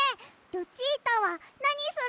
ルチータはなにするの？